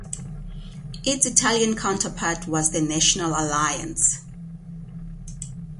Its Italian counterpart was the National Alliance.